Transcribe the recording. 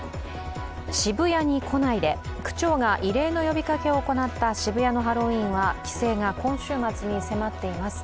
渋谷に来ないで、区長が異例の呼びかけを行った渋谷のハロウィーンは規制が今週末に迫っています。